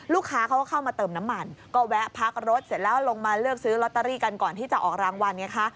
ลูกค้าเขาก็เข้ามาเติมน้ำมันก็แวะพักรถเสร็จแล้วลงมาเลือกซื้อลอตเตอรี่กันก่อนที่จะออกรางวัลไงคะ